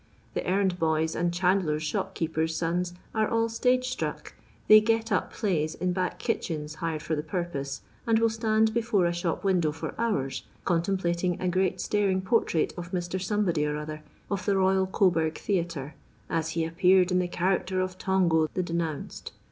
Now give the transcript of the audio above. The emmd'boys and chandlen' shop keepen' sons, are all stage struck : they ' get up' plays in back kitchens hired for the purpose, and will stand before a shop window for hours, contemplating a great staring portrait of Mr. somebody or other, of the Boyal Ooburg Theatre, * as he appeared in the character of Tongo the Denounced.'